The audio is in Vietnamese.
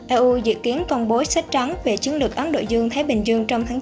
eu dự kiến công bố sách trắng về chứng lực ấn độ dương thái bình dương trong tháng chín